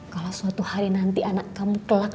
kalau suatu hari nanti anak kamu kelak